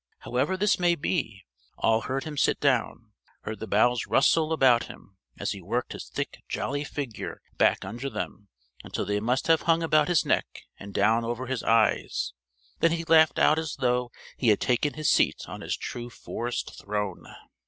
However this may be, all heard him sit down, heard the boughs rustle about him as he worked his thick jolly figure back under them until they must have hung about his neck and down over his eyes: then he laughed out as though he had taken his seat on his true Forest Throne.